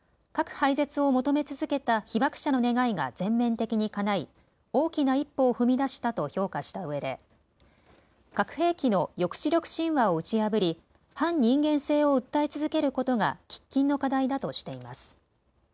核廃絶を求め続けた被爆者の願いが全面的にかない大きな一歩を踏み出したと評価したうえで核兵器の抑止力神話を打ち破り反人間性を訴え続けることが喫緊の課題だとしています。